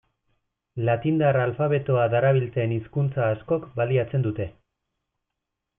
Latindar alfabetoa darabilten hizkuntza askok baliatzen dute.